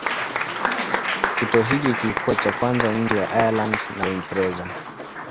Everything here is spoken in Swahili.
Kituo hiki kilikuwa cha kwanza nje ya Ireland na Uingereza.